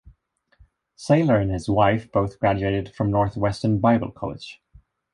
Sailer and his wife both graduated from Northwestern Bible College.